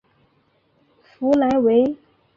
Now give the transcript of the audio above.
弗莱维。